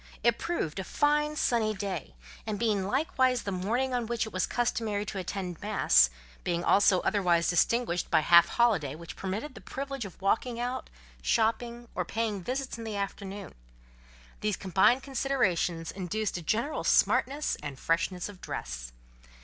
It proved a fine sunny day; and being likewise the morning on which it was customary to attend mass; being also otherwise distinguished by the half holiday which permitted the privilege of walking out, shopping, or paying visits in the afternoon: these combined considerations induced a general smartness and freshness of dress.